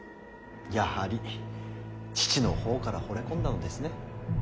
やはり父の方からほれ込んだのですね。